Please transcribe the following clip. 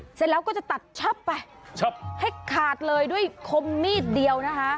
เสร็จแล้วก็จะตัดชับไปให้ขาดเลยด้วยคมมีดเดียวนะคะ